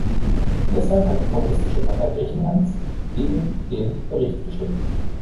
Deshalb hat die Kommunistische Partei Griechenlands gegen den Bericht gestimmt.